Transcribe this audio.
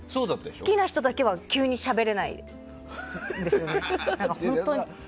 好きな人だけは急にしゃべれないんですよね。